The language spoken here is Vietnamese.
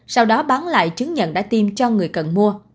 sau đó bán lại chứng nhận đã tiêm cho người cần mua